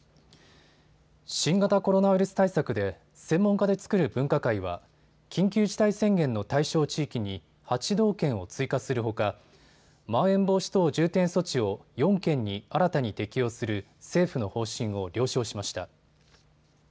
新型コロナウイルス対策で専門家で作る分科会は緊急事態宣言の対象地域に８道県を追加するほかまん延防止等重点措置を４県に新たに適用する政府の方針を了承しました。